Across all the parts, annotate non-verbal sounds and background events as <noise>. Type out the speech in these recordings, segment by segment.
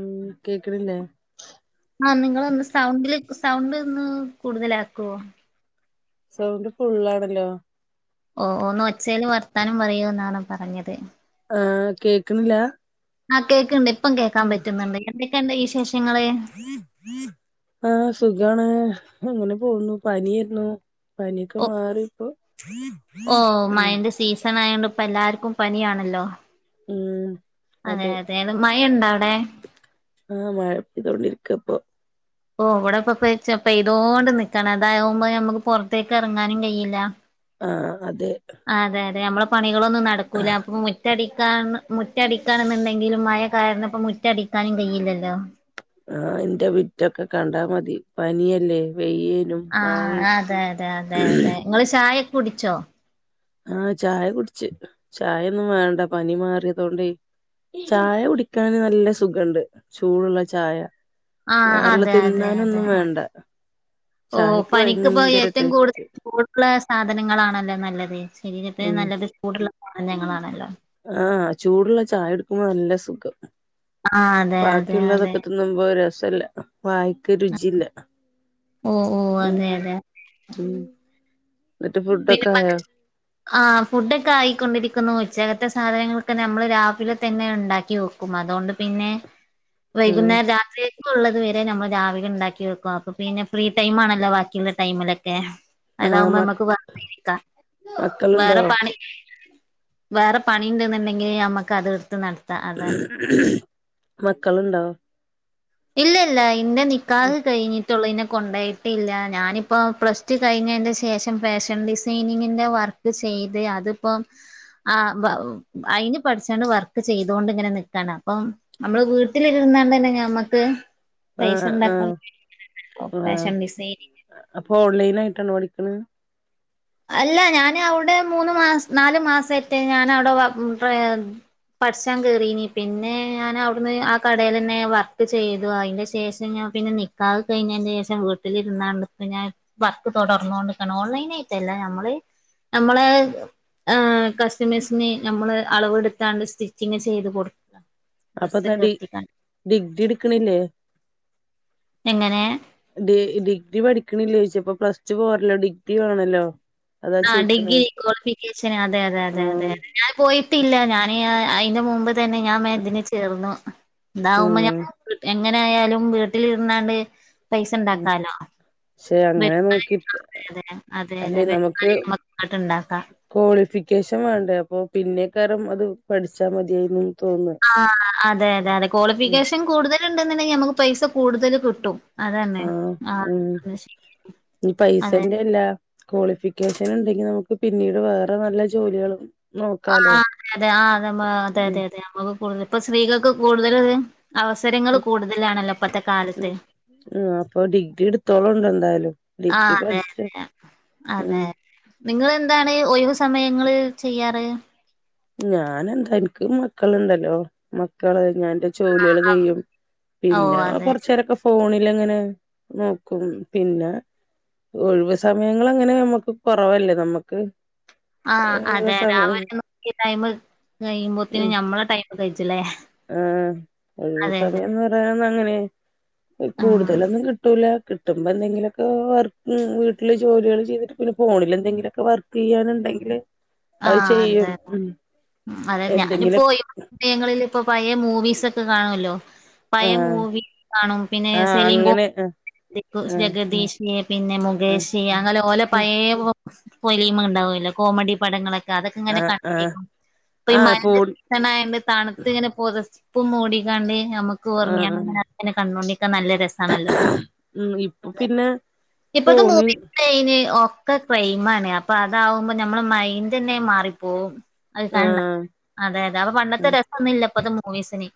ഉം കേക്കണില്ലേ ആഹ നിങ്ങളൊന്ന് സൗണ്ടില് സൗണ്ട് ഒന്ന് കൂടുതലാക്കുവോ സൗണ്ട് ഫുള്ളാണല്ലോ. ഓ ഒന്ന് ഒച്ചേല് വർത്താനം പറയോന്നാണ് പറഞ്ഞത് ആഹ് കേക്ണില്ല? ആഹ് കേക്ക്ണ്ട് ഇപ്പം കേൾക്കാൻ പറ്റുന്നുണ്ട് എന്തൊക്കെണ്ട് വിശേഷങ്ങള്? ആഹ സുഖാണ് അങ്ങനെ പോവുന്നു പനിയിരുന്നു. പനിയൊക്കെ ഓ മാറി ഇപ്പൊ ഉം മഴക്കലായൊണ്ട് ഇപ്പം എല്ലാർക്കും പനിയാണല്ലോ ഉം... അതെ അതെ മഴ ഉണ്ടവിടെ? ആഹ മഴ പെയ്തോണ്ടിരിക്കപ്പം. ഓ ഇവിടെപ്പൊ പെയ്തോണ്ട് നിക്കാണ് അതാവുമ്പോ നമ്മുക്ക് പുറത്തേക്ക് എറങ്ങാനും കഴിയില്ല ആഹ അതെ അതെ അതെ നമ്മളെ പണികളൊന്നും നടക്കൂല അപ്പം മു മുറ്റടിക്കാൻ മുറ്റടിക്കണംന്ന്ണ്ടെങ്കിലും മഴ കാരണം ഇപ്പം മുറ്റടിക്കാനും കയ്യില്ലല്ലോ ആഹ ഇന്റെ മിറ്റൊക്കെ കണ്ടാ മതി പനിയല്ലേ വെയ്യേനും ആ മഴയും അതെ അതെ അതെ അതെ ങ്ങൾ ചായയൊക്കെ കുടിച്ചോ? ആഹ ചായ കുടിച്ച് ചായൊന്നും വേണ്ട പനി മാറിയതൊണ്ടെ ചായ കുടിക്കാന് നല്ല സുഖണ്ട് ചൂടുള്ള ചായ ആഹ വേറെള്ള അതെ അതെ അതെ തിന്നാനൊന്നും വേണ്ട ഓ ചായക്ക് പനിക്ക്പ്പോ ഭയങ്കര ഏറ്റവും കൂടുതൽ ടേസ്റ്റ് ചൂടുള്ള സാധനങ്ങളാണല്ലോ നല്ലത് ശരീരത്തിന് ഉം നല്ലത് ചൂടുള്ള സാധനങ്ങളാണല്ലോ ആഹ ചൂടുള്ള ചായ എടുക്കുമ്പോ നല്ല സുഖം ആഹ് അതെ അതെ അതെ ബാക്കിള്ളതൊക്കെ തി ന്നുമ്പോ രസല്ല്യാ വാ യക്ക് രുചില്ല. ഓ ഓ ഉം അതെ അതെ ഉം ഇന്നട്ട് ഫുഡ് ഒക്കായോ? ആ ഫുഡ്ഒക്കെ ആയിക്കൊണ്ടിരിക്കുന്നു ഉച്ചകത്തെ സാധനങ്ങളൊക്കെ നമ്മള് രാവിലെ തന്നെ ഉണ്ടാക്കി വെ ക്കും അതോണ്ട് പിന്നെ ഉം വൈകുന്നേരം രാത്രികക്ക് ക്കുള്ളത് വരെ നമ്മള് രാവിലെ ഇണ്ടാക്കി വെക്കും അപ്പൊ പിന്നെ ഫ്രീ ടൈം ആണല്ലോ ബാക്കിയുള്ള ടൈമിലൊക്കെ. ആഹ് അതാവുമ്പോ മ നമ്മക്ക് വെർതെ ഇരിക്ക മക്കളുണ്ടോ വേറെ പണി. വേറെ പണി ഇണ്ട്ന്ന്ണ്ടെങ്കിൽ നമ്മുക്ക് അത് എടുത്ത് നടക്ക. മക്കളുണ്ടോ? ഇല്ല ല്ല ഇന്റെ നിക്കാഹ് കഴിഞ്ഞിട്ട്. ഒള്ളു ഇന്നെ കൊണ്ടയിട്ടില്ല ഞാനിപ്പോ പ്ലസ് ടു കഴിഞ്ഞെന്റെ ശേഷം ഫാഷൻ ഡിസൈനിങ്ങിൻ്റെ വർക്ക്. ക്ക് ചെയ്ത് അതിപ്പം. ആ വ അയിന് പഠിച്ചാണ്ട് വർക്ക് ചെയ്തൊണ്ട് ഇങ്ങനെ നിക്കാണ് അപ്പം. നമ്മള് വീട്ടിലിരുന്നാണ്ടന്നെ ഞമ്മക്ക്. ആഹ് പൈസണ്ടാക്ക ആഹ് ആഹ് ഫാഷൻ ഡിസൈനിങ് അപ്പൊ ഓൺലൈനായിട്ടാ പഠിക്ക്ണ് അല്ല ഞൻ അവിടെ മൂന്ന് മാസ നാലു മാസായിട്ട് ഞാനവിടെ വർക്കി പഠിച്ചാൽ കേറീനി പിന്നെ ഞാൻ അവിടുന്ന് ആ കടയിൽ തന്നെ വർക്ക് ചെയ്തു അതിന്റെ ശേഷം ഞാൻ പിന്നെ നിക്കാഹ് കഴിഞ്ഞതിന് ശേഷം വീട്ടിലിരുന്നാണ്ട് ഞൻ വർക്ക് തൊടർന്നുകൊണ്ടിക്കണ് ഓൺലൈനായിടല്ല ല്ല നമ്മള് നമ്മളെ കസ്റ്റമേഴ്സിനെ നമ്മള് അളവ് വെടുത്താണ്ട് സ്റ്റിച്ചിങ്ങ് ചെയ്ത് കൊടുക്ക അപ്പൊന്താ ഡ്രസ്സൊക്കെ ഡി വെട്ടിക്കാണ്ട് ഡിഗ്രി എടുക്കണില്ലേ എങ്ങനെ ഡ ഡിഗ്രി പഠിക്കണില്ലേ ചോയിച്ച ഇപ്പ പ്ലസ് ടു പോറല്ലോ ഡിഗ്രി വാണല്ലോ ആ ഡിഗ്രി ക്വാളിഫിക്കേഷൻ അതെ അതെ അതെ ആഹ് അതെതെ ഞാൻ പോയിട്ടില്ല ഞാന് അതിന്റെ മുമ്പ് തന്നെ ഞാൻ വേഗം ഇതിന് ചേർന്നു ഇതാവുമ്പോ ഉം എങ്ങനായാലും വീട്ടിലിരുന്നാണ്ട് പൈസ ഇണ്ടാക്കാലോ പക്ഷെ അങ്ങനെ വരുമാനം നോക്കിട്ട് ഉണ്ടാക്കുമല്ലെ അല്ലെ അതെതെ നമുക്ക് നമക്ക് ങ്ങട്ട്ണ്ടാക്കാം ക്വാളിഫിക്കേഷൻ വേണ്ടേ അപ്പൊ പിന്നെ കാരും അത് പഠിച്ചാ മതിയേ നി ആ അതെ അതെ അതെ ഉം ക്വാളിഫിക്കേഷൻ കൂടുതൽ ഇണ്ടെന്നുണ്ടെങ്കിൽ നമുക്ക് പൈസ കൂടുതൽ കിട്ടും അതന്നെ ആഹ ആ ഉം അത് ശരി. ഈ അതെ പൈസന്റെ അല്ല ക്വാളിഫിക്കേഷൻ എന്തെങ്കിലും നമുക്ക് പിന്നീട് വേറെ വല്ല ജോലികൾക്കും ആ അത അതെ ആ അത അതെ ഉം അതെ അതെ നമ്മക്ക് കൂടുതൽ ഇപ്പ സ്ത്രീകൾക്ക് കൂടുതൽ അവ അവസരങ്ങൾ കൂടുതലാണല്ലോ ഇപ്പത്തെ കാലത്ത് ഉ അപ്പൊ ഡിഗ്രി എടുത്തോ ളോ ണ്ടു എന്തായാലും ആഹ ഡിഗ്രി അതെ പഠിച്ച അതെ ഉം അതെ നിങ്ങെന്താണ് ഒഴിവ് സമയങ്ങള് ചെയ്യാറ് ഞൻ എന്താ എനിക്ക് മക്കളുണ്ടല്ലോ മക്കള് ഞാന്റെ ജോലികൾ ചെയ്യും ഓഹ് പിന്നെ അതെ കൊറച്ചേ രൊക്കെ ഫോണിലങ്ങനെ നോക്കും പിന്നെ ഒഴിവ് സമയങ്ങളങ്ങനെ നമുക്ക് കൊറവല്ലേ നമ്മുക്ക് ആഹ് ഒഴിവ് അതെ രാവിലെ സമയം ട്ട്രൂ ട്ടി ടൈം കഴിയുമ്പോത്തിന് ഞമ്മളെ ടൈം കഴിച്ചില്ലേ ആഹ ഒഴിവ് അതെ അതെ സമയംന്ന് പറയാന്ന അങ്ങനെ ഉം കൂടുതലൊന്നും കിട്ടൂല കിട്ടുമ്പോ എന്തെങ്കിലുമൊക്കെ വർക്ക് വീട്ടില് ജോലികൾ ചെയ്ത് പിന്നെ ഫോണിൽ എന്തെങ്കിലുമൊക്കെ വർക്ക് ചെയ്യാനുണ്ടെങ്കില് അത് ആഹ ചെയ്യും അതെ ഉം അതെ എന്തെങ്കിലും ഞാനിപ്പോ സമയങ്ങളിൽ ഇപ്പൊ പഴയ മൂവീസ് ഒക്കെ കാണുവല്ലോ പയമ ആഹ് മൂവി കാണും പിന്നെ ആഹ് സെലിങ്കോ അങ്ങനെ ആഹ് ജഗദീഷി പിന്നെ ആഹ് മുകേഷ് അങ്ങനെ ഓലെ ആഹ് പഴയ പൊലിമണ്ടാവു ലേകോമഡി പടങ്ങളൊക്കെ അതൊക്കെ ഇങ്ങനെ ആഹ് ആഹ് കണ്ടിരിക്കും അപ്പൊ ഈ ആഹ് മഴ ഫോൺ ഇങ്ങനാ യോണ്ട് തണുത്ത് ഇങ്ങനെ പുതപ്പും മൂടിക്കാണ്ട് നമുക്ക് ആഹ് ഓറങ്ങിയാ ആഹ് പിന്നെ അെ കണ്ടോണ്ടിരിക്കാൻ നല്ല രസാണല്ലോ ഉം ഇപ്പൊ അ പിന്നെ ഇപ്പത്തെ ഫോണ് മൂവി തൈന് ഒക്കെ ക്രൈ ആണ് അപ്പൊ അതകുമ്പോ നമ്മള് മൈൻഡ് തന്നെ മാറിപ്പോവും അ കണ്ട ആഹ് അതെ അതെ അപ്പൊ പണ്ടത്തെ രസമൊനന്നും ഇല്ല ഇപ്പത് മൂവീസിന്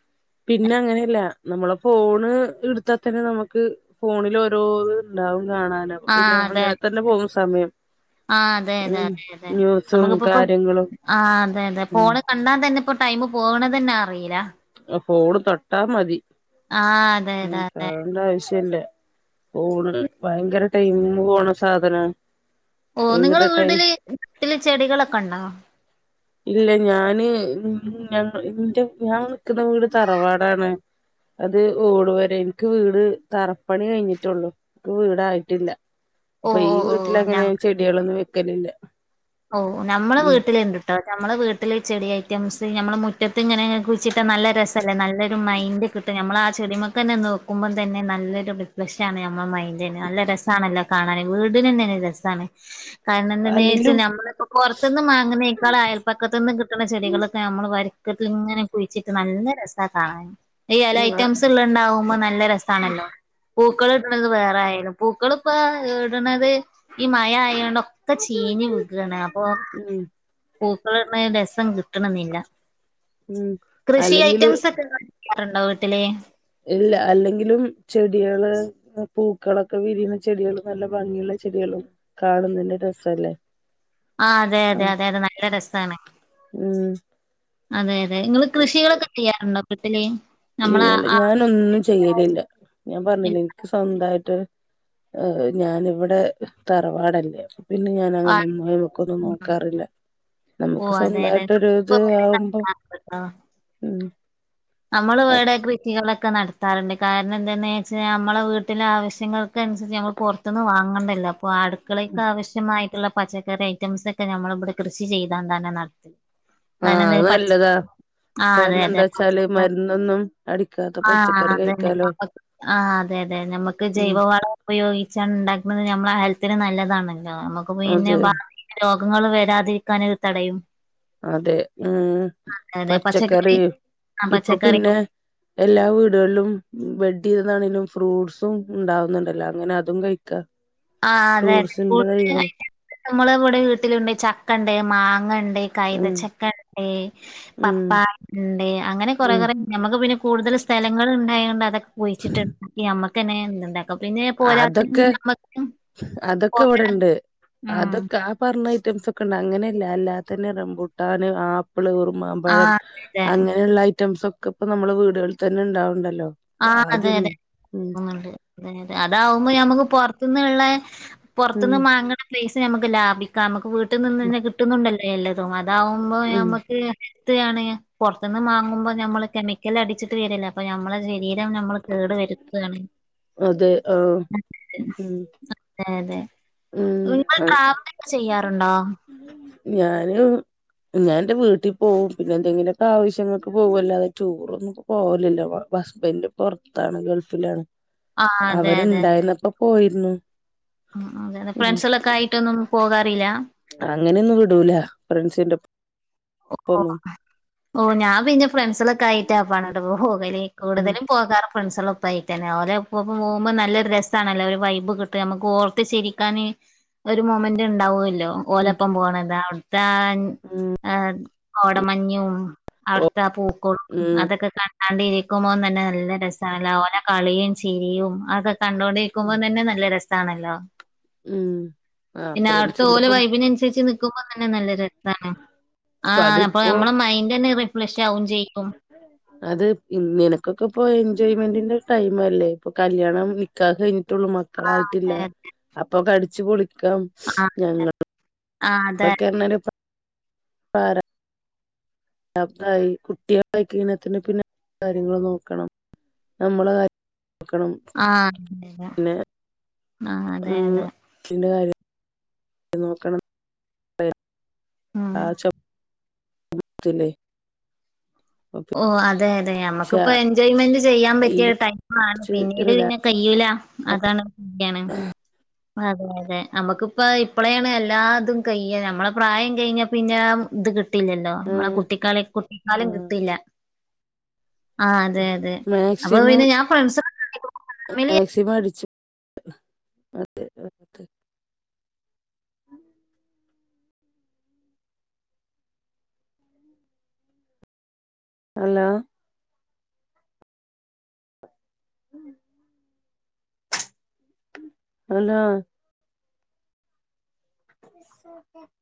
പിന്നെ അങ്ങനെയല്ല നമ്മളെ ഫോണ് എടുത്താൽ തന്നെ നമുക്ക് ഫോണിൽ ഓരോ ഇണ്ടാവും കാണാന പിന്നെ അങ്ങനെ തന്നെ പോകും സമയം ആ അതെ അതെ ഉം അതെ അതെ ന്യൂസും നമുക്കിപ്പ ഇപ്പൊ കാര്യങ്ങളും ആ അതെ അതെ ഉം പോണ കണ്ടാ തന്നെ ഇപ്പോ ടൈമ് പോകണ തന്നെ അറിയില്ല ആ ഫോണ് തൊട്ടാ മതി ആഹ് അതെ ഉ അതെ അതെ കാണണ്ട ആവശ്യല്ല ഫോണ് ന്ഭയങ്കര ടൈം പോണ സാധന ഓ നിങ്ങള് വീട്ടില് ചില ചെടികളൊക്കെ ഉണ്ടോ ഇല്ല ഞാന്ഞ എന്റെ ഞാൻ നിൽക്കുന്ന വീട് തറവാടാണ് അത് ഓടു പോരെ എനിക്ക് വീട് തറപ്പണി കഴിഞ്ഞിട്ടുള്ളു വീടായിട്ടില്ല ഓ അപ്പൊ ഈ ഓ ഓ വീട്ടില അങ്ങനെ ഞങ്ങ ചെടികളൊന്നും വെക്കലില്ല ഓ നമ്മള് ഉം വീട്ടില ഇണ്ട് ട്ടോ നമ്മൾ വീട്ടിൽ ചെടി ഐറ്റംസ് നമ്മൾ മുറ്റത്ത് ഇങ്ങനെ കുിച്ചിട്ട് നല്ല രസമല്ലേ നല്ലൊരു മൈൻഡ് കിട്ടും നമ്മൾ ആ ചെരുമക്ക തന്നെ നോക്കുമ്പോം തന്നെ നല്ലരു റിഫ്ലഷ ആണ് നമ്മള മൈൻഡന് നല്ല രസണല്ലോ കാണാന വീടിനന്നാണ് രസമാണ് കാരണം എന്ത അല്ലെങ്കിലും വെച്ചാൽ നമ്മളിപ്പോ പുറത്തുന്ന്ും അങ്ങന മക്കാള അയൽപ്പക്കത്ത നിന്നും കിട്ടുന്ന ചെടികളൊക്കെ നമ്മള് വരക്കട്ടിൽ ഇങ്ങനെ പൊഴിച്ചിട്ട് നല്ല രസം കാണൻ ഈല ഉം ആഹ് ഐറ്റംസ് ഉള്ള ഉണ്ടാവുമ്പോ നല്ല രസമാണല്ലോ പൂക്കൾ ഇടത് വേറെ ആയാലും പൂക്കള ഇപ്പ ഇടുന്നത് ഈ മഴ ആയൊണ്ട ഇക്ക ചീഞ്ഞിനി അപ്പൊ ഉം പൂക്കളന് രസം കിട്ടണെന്നില്ല ഉം കൃഷി അല്ലെങ്കില് ഐറ്റംസ് ഒക്കെിക്കാറുണ്ടോ വീട്ടിലെ ഇല്ല അല്ലെങ്കിലും ചെടികള് പൂക്കളൊക്കെ വിരിയുന്ന ചെടികളും നല്ല ഭംഗിയുള്ള ചെടികളും കാണുന്നില്ലരസല്ല ആ അതെ അതെ അതെ അതെ നല്ല രസമാണ് ഉം അതെത അതെ നിങ്ങൾ കൃഷികളൊക്കെ ചെയ്യാറുണ്ടോ അപ്പത്തേ ഇല്ലല്ല ഞാനൊന്നും ചെയ്യലില്ല ഞാൻ പറഞ്ഞില്ല സ്വന്തമായിട്ട്് ഞാനിവിടെ തറവാടല്ലേ പിന്നെ ഞാൻ അങ്ങനെ ആ ഒന്നിക്കൊക്കൊന്നും നോക്കാറില്ല നമുക്ക് ഓ അതെ അതെ സ്വന്തമായിട്ടരു ഇത് ആവുമ്പോ ഉ നമ്മള് വേടക്ക കുട്ടികളൊക്കെ നടത്താറുണ്ട് കാരണം എന്താെന്ന് വെച്ചാൽ നമ്മെ വീട്ടിലെ ആവശ്യങ്ങൾക്ക അനുസരിച്ച് നമ്മൾ കുറ അന്ന് വാങ്ങണ്ടല്ല ഇപ്പൊ അടുക്കളക്ക ആവശ്യമായിട്ടുള്ള പച്ചക്കറി ഐറ്റംസ് ഒക്കെ നമ്മള ഇവിടെ കൃഷി ചെയ്താ തന്നെ നടത്തിത് കാര എന്ത അത് പച്ച നല്ലതാ ആ അതെ കാരണം എന്താ അതെ വെച്ചാല് പ മരുന്നൊന്നും അടിക്കാത്ത ആഹ പച്ചക്കറി അതന്നെ കഴിക്കാലോ ആ അതെ അതെ നമ്മക്ക് ഉം ജൈവ വള ഉപയോഗിച്ചാണ് ഉണ്ടാക്കുന്നത് നമ്മള ആ ഹെൽത്തിന് നല്ലതാണല്ലോ നമുക്ക് പിന്നെ അതെ രോഗങ്ങള്ൾ വരാതിരിക്കാൻ ഇത് തടയും അതെ ഉം പച്ചക്കറി ആ ഇപ്പൊ പച്ചക്കറി പിന്നെ എല്ലാ വീടുകളിലും വെഡ് ചെയ്തുന്നാണെങ്കിലും ഫ്രൂട്ട്സും ഉണ്ടാവുന്നുണ്ടല്ലോ അങ്ങനെ അതും കഴിക്കാ ആ് അതെ അതെ കൂ നമ്മള കവിടെ വീട്ടിലുണ്ട് ചക്ക ഉണ്ട് മാങ്ങ ഉണ്ട് ഉം കൈതച്ചക്ക ഉണ്ട് ഉം പപ്പായ ഉണ്ട് അങ്ങനെ കൊറെ ഉം കുറെ ഞുക്ക് പിന്നെ കൂടുതൽ സ്ഥലങ്ങള ഉണ്ടായുകൊണ്ട് അതൊക്കെ പോയിച്ചിട്ടുണ്ടാക്കി നമുക്ക്ന്നെണ്ട അ പിന്നെ പോരാത്ത അതൊക്കെ നമ്മ അതൊക്കെ ഇവിടെണ്ട് ഉം അതൊക്കെ ആ പറഞ്ഞ ഐറ്റംസ് ഒക്കെ ണ്ട് അങ്ങനെയല്ല അല്ലാത്തന്നെ റംപുട്ടാൻ ആ പള കുറർമാമ്പഴം ആഹ് അതെ അങ്ങനെയുള്ള ഐറ്റംസ് ഒക്കെ ഇപ്പൊ നമ്മള് വീടുകളിൽ തന്നെ ഉണ്ടാവണ്ടല്ലോ ഇപ്പൊ ആഹ അതെ ആദ്യം അതെ ഉം തോന്നുന്നുണ്ട് അതെതെ അതാവുമ്പോ നമ്മുക്ക് പുറത്തുന്ന്ള്ള പുറത്തുന്ന് ഉം മാങ്ങണ പൈസ് നമുക്ക് ലാഭിക്കാം നമുക്ക് വീട്ടിൽ നിന്ന് തന്നെ കിട്ടുന്നുണ്ടല്ലോ എല്ലതും അതാവുമ്പോൾ ഉം നമ്മുക്ക് എടുത്തുകാണ്, പുറത്ത്, നിന്ന് വാങ്ങുമ്പോൾ, നമ്മള്, കെമിക്കൽ, അടിച്ചിട്ട്, വരില്ല അപ്പൊ, നമ്മള് ശരീരം നമ്മൾ കേടുവരുത്തുകയാണ് അതെ ആഹ് ഉം അതെ അതെ ഉം നിങ്ങൾ ട്രാവലൊക്കെ ചെയ്യാറുണ്ടോ ഞാനും ഞാൻ എന്റെ വീട്ടിൽ പോവും പിന്നെ എന്തെങ്കിലൊക്കെ ആവശ്യങ്ങൾക്ക് പോകുംഅല്ലാതെ ടൂർ ഒന്നും പോവലില്ലോ ഹസ്ബന്റ് പൊറത്താണ്, ഗൾഫിലാണ് ആഹ് അതെ അവരുണ്ടായിന്നപ്പ പോയിരുന്നു ആ അതെയതെ ഉം ഫ്രണ്ട്സുകളൊക്കെ ആയിട്ടൊന്നും പോകാറില്ല അങ്ങനെയൊന്നും വിടൂല ഫ്രണ്ട്സിന്റെ ഓ ഒപ്പൊന്നും ഓ ഞാൻ പിന്നെ ഫ്രണ്ട്സിലൊക്കെ ആയിട്ടാ പാടെ പോകല് ഉം കൂടുതലും പോകാറ് ഫ്രണ്ട്സ് പ്പൈ തന്നെ ഓല് ഇപ്പ ഇപ്പ പോകുമ്പോ നല്ലരു രസമാണല്ലോ ഒരു വൈബ് കിട്ട് നമുക്ക് ഓർത്ത് ചിരിക്കാന് ഒരു മൊമെന്റ് ഉണ്ടാവുമല്ലോ ഓലപ്പം പോണത അവിടുത്താൻ മം ആഹ് കോടമഞ്ഞും ഓ അവിടുത്തെ പൂക്കോളും ഉം അതൊക്കെ കാ കണ്ടിരിക്കുമ്പോന്ന്തന്നെ നല്ല രസല്ലോ ഓലെ കളിയും ചിരിയും അതക്കെ കണ്ടോണ്ട് ക്കുമ്പോ തന്നെ നല്ല രസാണല്ലോ ഉം ആ പിന്നെ അവിടുത്തെ ഓല് ഫ്രണ്ട്സിന്റെപ്പം വൈബിന് അനുസരിച്ച് നിക്കുമ്പോ തന്നെ നല്ലരസാണ് ആഹ് അപ്പ അതിപ്പോ നമ്മള മൈൻഡ് തന്നെ റിഫ്രഷ് ആവും ചെയും അത് നിനക്കൊക്കെ ഇപ്പൊ എൻജോയ്മെന്റിന്റെ ടൈംമല്ലേ ഇപ്പൊ കല്യാണം നിക്കാഹ് കഴിഞ്ഞിട്ടുള്ളൂ മ ആ മക്കളായിട്ടില്ല അതെ അപ്പൊക്കഅടിച്ചു പൊളിക്കാം ആഹ് ഞങ്ങൾ ആഹ് അതെ ഞങ്ങൾക്കങ്ങനെ പാടാ <unintelligible> കുട്ടികള <unintelligible> പിന്നെ കാര്യങ്ങള്ൾ നോക്കണം നമ്മളെ കാര്യം നോക്കണം ആഹ് പിന്നെ ആഹ് അതെ ഉം അതെ അതിന്റെ കാര്യം നോക്കണം ഉം ആ ചോ <unintelligible> ഓഹ് അതെ അതെ പക്ഷെ നമ്മുക്കിപ്പോ എൻജോയ്മെന്റ് ചെയ്യാൻ ഈ പറ്റിയ ടൈം ആണ് കുറച്ച് പിന്നീട് റിലാ പിന്നെ കഴിയൂല അതാണ് <unintelligible> അതെ അതെ നമ്മുക്കിപ്പ ഇപ്പളയാണ് എല്ലാതും കഴ്യ നമ്മളെ പ്രായം കഴിഞ്ഞ പിന്നെ ഇത് കിട്ടില്ലല്ലോ ആ നമ്മളെ കുട്ടിക്കളി കുട്ടിക്കാലം ആ കിട്ടില്ല ആഹ് അതെ അതെ അപ്പൊ മാക്സിമം പിന്നെ ഞാൻ ഫ്രണ്ട് സ <unintelligible> സി മടിച്ചു അത ഹലോ ഉം അതന്താ ഇക്ക